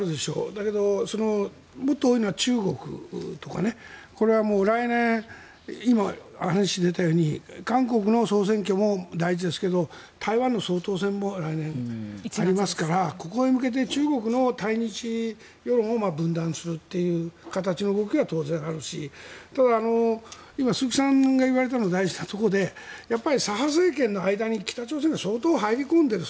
だけど、もっと多いのは中国とかね。これは来年今、話に出たように韓国の総選挙も大事ですけど台湾の総統選も来年ありますからここへ向けて中国の対日世論を分断するという形の動きは当然、あるしただ今、鈴木さんが言われたのは大事なところで左派政権の間に北朝鮮が相当入り込んでいる。